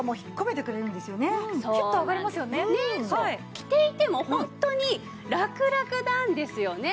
着ていてもホントにラクラクなんですよね。